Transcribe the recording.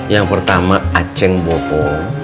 yang pertama acing bobo